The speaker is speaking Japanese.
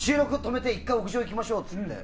収録を止めて１階屋上行きましょうって言って。